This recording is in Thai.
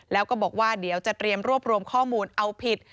แล้วก็บอกว่าเดี๋ยวจะเตรียมรวบรวมข้อมูลเอาผิด